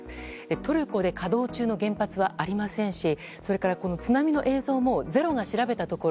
トルコで稼働中の原発はありませんしそれから津波の映像も「ｚｅｒｏ」が調べたところ